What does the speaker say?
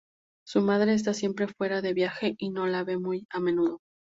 Su madre está siempre fuera de viaje y no la ve muy a menudo.